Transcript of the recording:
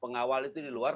pengawal itu di luar